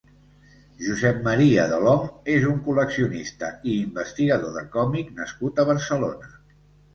Josep Maria Delhom és un col·leccionista i investigador de còmic nascut a Barcelona.